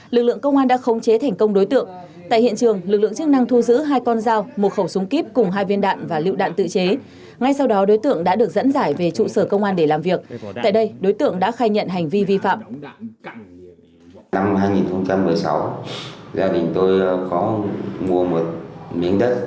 lực lượng công an đã khống chế thành công đối tượng tại hiện trường lực lượng chức năng thu giữ hai con dao một khẩu súng kíp cùng hai viên đạn và liệu đạn tự chế ngay sau đó đối tượng đã được dẫn giải về trụ sở công an để làm việc tại đây đối tượng đã khai nhận hành vi vi phạm